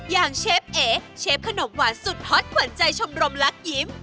เชฟเอ๋เชฟขนมหวานสุดฮอตขวัญใจชมรมลักยิ้ม